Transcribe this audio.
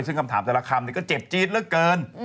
ซึ่งคำถามแต่ละคำก็เจ็บจี๊ดเหลือเกิน